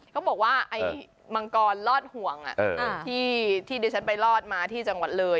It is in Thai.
เขาบอกว่าไอ้มังกรรอดห่วงที่ดิฉันไปรอดมาที่จังหวัดเลย